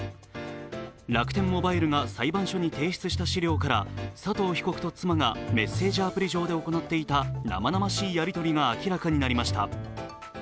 楽天モバイルが裁判所に提出した資料から、佐藤被告と妻がメッセージアプリ上で行っていた生々しいやり取りが明らかになりました。